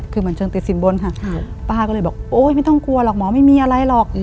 คือเหมือนเชิงติดสินบนค่ะป้าก็เลยบอกโอ๊ยไม่ต้องกลัวหรอกหมอไม่มีอะไรหรอก